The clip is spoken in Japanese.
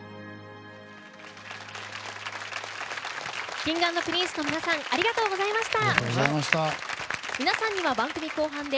Ｋｉｎｇ＆Ｐｒｉｎｃｅの皆さんありがとうございました。